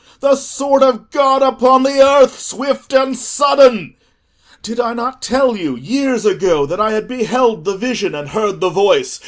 The sword of God upon the earth, swift and sudden! Did I not tell you, years ago, that I had beheld the vision and heard the voice?